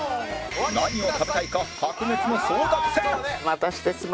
何を食べたいか白熱の争奪戦！